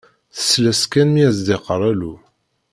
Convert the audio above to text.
Tsell-as kan mi d as-d-yeqqar alu.